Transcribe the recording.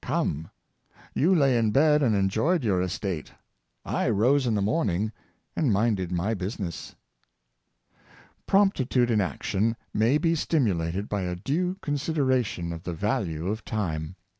ne; you lay in bed and enjoyed your estate, I rose in the morning and minded my business." Promptitude in action may be stimulated by a due consideration of the value of time.